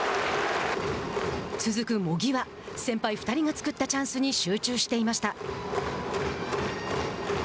続く茂木は先輩２人が作ったチャンスに集中していました。